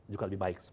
juga lebih baik